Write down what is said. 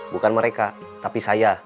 bukan mereka tapi saya